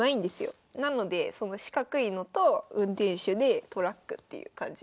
なのでその四角いのと運転手でトラックっていう感じ。